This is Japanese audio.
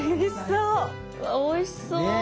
うわおいしそ。ね！